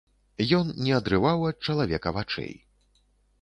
Ён не адрываў ад чалавека вачэй.